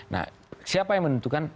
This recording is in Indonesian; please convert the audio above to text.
nah siapa yang menentukan